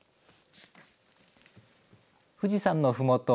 富士山のふもと